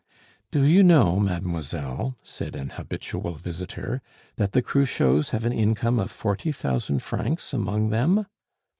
"Do you know, mademoiselle," said an habitual visitor, "that the Cruchots have an income of forty thousand francs among them!"